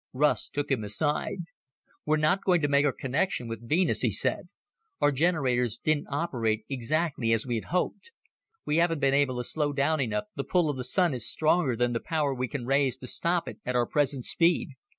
Russ took him aside. "We're not going to make our connection with Venus," he said. "Our generators didn't operate exactly as we had hoped. We haven't been able to slow down enough, the pull of the Sun is stronger than the power we can raise to stop it at our present speed.